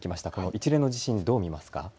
一連の地震どう見ますか。